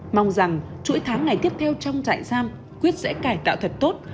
mong rằng chuỗi tháng này tiếp theo trong trại giam quyết sẽ cải tạo thật tốt